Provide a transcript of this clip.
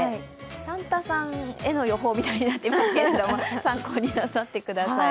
サンタさんへの予報みたいになっていますけれども、参考になさってください。